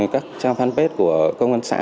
các trang fanpage của công an xã